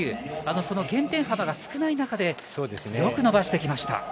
減点幅が少ない中でよく伸ばしてきました。